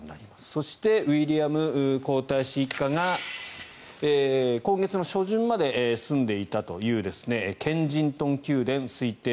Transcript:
そして、ウィリアム皇太子一家が今月初旬まで住んでいたというケンジントン宮殿推定